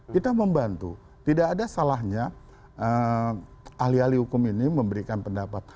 kita membantu tidak ada salahnya ahli ahli hukum ini memberikan pendapat